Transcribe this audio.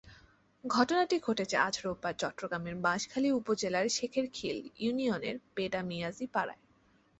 ঘটনাটি ঘটেছে আজ রোববার চট্টগ্রামের বাঁশখালী উপজেলার শেখেরখীল ইউনিয়নের পেডা মিয়াজি পাড়ায়।